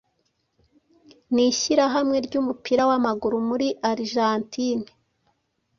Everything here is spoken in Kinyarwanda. n’ishyirahamwe ry’umupira w’amaguru muri Argentine